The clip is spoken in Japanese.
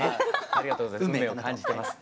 ありがとうございます。